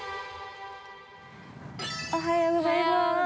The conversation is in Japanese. ◆おはようございます。